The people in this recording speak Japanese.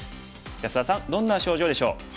安田さんどんな症状でしょう？